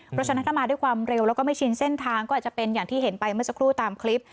เพราะฉะนั้นถ้ามาด้วยความเร็วแล้วก็ไม่ชินเส้นทางก็อาจจะเป็นอย่างที่เห็นไปเมื่อสักครู่ตามคลิป